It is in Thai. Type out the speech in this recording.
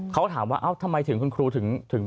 เขาก็ถามว่าเอ้าทำไมถึงคุณครูถึง